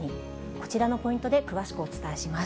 こちらのポイントで詳しくお伝えします。